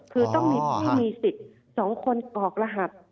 คือต้องมีผู้มีสิทธิ์๒คนออกรหัส